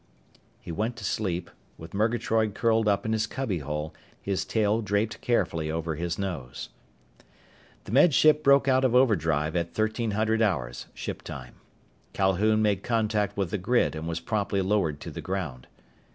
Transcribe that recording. _ He went to sleep, with Murgatroyd curled up in his cubbyhole, his tail draped carefully over his nose. The Med Ship broke out of overdrive at 1300 hours, ship time. Calhoun made contact with the grid and was promptly lowered to the ground.